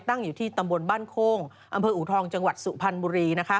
อยู่ที่ตำบลบ้านโค้งอำเภออูทองจังหวัดสุพรรณบุรีนะคะ